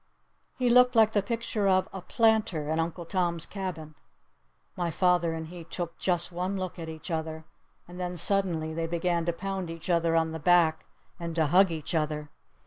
He looked like the picture of "a planter" in "Uncle Tom's Cabin." My father and he took just one look at each other. And then suddenly they began to pound each other on the back and to hug each other.